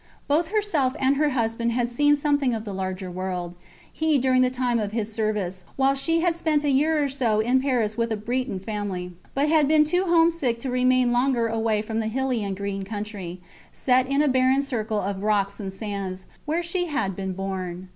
Both herself and her husband had seen something of the larger world he during the time of his service; while she had spent a year or so in Paris with a Breton family; but had been too home sick to remain longer away from the hilly and green country, set in a barren circle of rocks and sands, where she had been born.